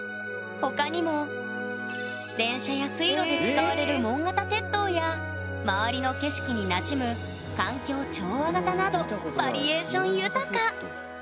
他にも電車や水路で使われる門形鉄塔や周りの景色になじむ環境調和型などバリエーション豊か！